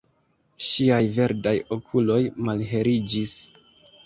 Ŝiaj verdaj okuloj malheliĝis.